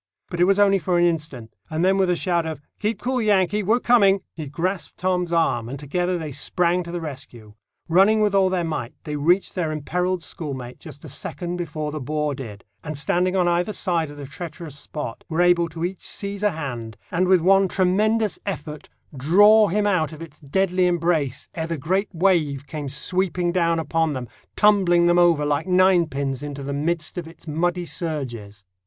But it was only for an instant; and then with a shout of "Keep cool, Yankee; we're coming!" he grasped Tom's arm, and together they sprang to the rescue. Running with all their might, they reached their imperilled schoolmate just a second before the bore did, and standing on either side the treacherous spot were able to each seize a hand, and with one tremendous effort draw him out of its deadly embrace ere the great wave came sweeping down upon them, tumbling them over like nine pins into the midst of its muddy surges.